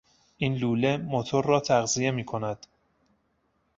این لوله موتور را تغذیه میکند.